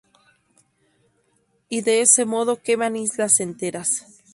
I de este modo queman islas enteras".